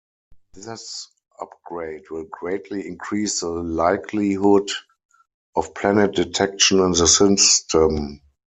This upgrade will greatly increase the likelihood of planet detection in the system.